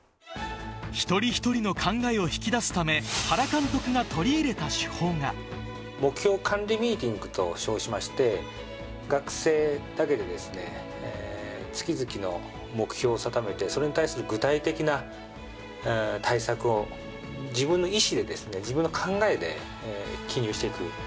一人一人の考えを引き出すため、目標管理ミーティングと称しまして、学生だけで月々の目標を定めて、それに対する具体的な対策を自分の意思で、自分の考えで記入していく。